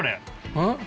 うん？